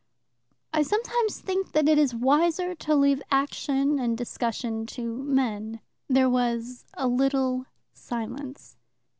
"I sometimes think that it is wiser to leave action and discussion to men." There was a little silence.